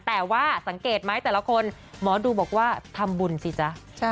แต่ว่าสังเกตไหมแต่ละคนหมอดูบอกว่าทำบุญสิจ๊ะ